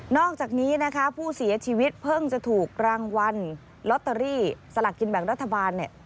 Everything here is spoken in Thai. อกจากนี้นะคะผู้เสียชีวิตเพิ่งจะถูกรางวัลลอตเตอรี่สลักกินแบ่งรัฐบาลเนี่ย